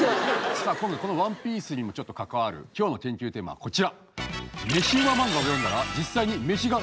この「ＯＮＥＰＩＥＣＥ」にもちょっと関わる今日の研究テーマはこちら！